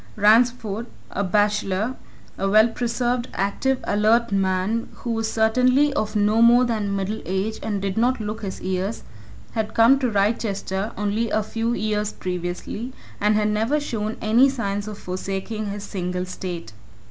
Ransford, a bachelor, a well preserved, active, alert man who was certainly of no more than middle age and did not look his years, had come to Wrychester only a few years previously, and had never shown any signs of forsaking his single state.